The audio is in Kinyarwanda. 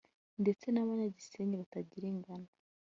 ndetse n’abanyagisenyi batagira ingano